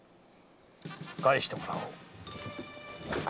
返してもらおう。